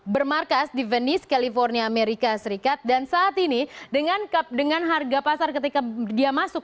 bermarkas di venice california amerika serikat dan saat ini dengan harga pasar ketika dia masuk